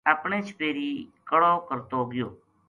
اپنے چھپیری کڑو کرتو گیو